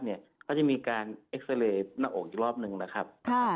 เขาจะมีการเอ็กซาเรย์หน้าอกอีกรอบนึงนะครับ